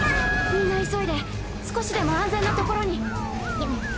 みんな急いで少しでも安全なところに。